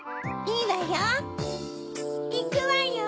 いくわよ！